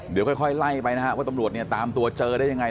เดี๋ยวค่อยไล่ไปว่าตำรวจตามตัวเจอได้ยังไง